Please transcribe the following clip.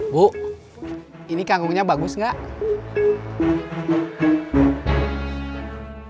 bu ini kangkungnya bagus nggak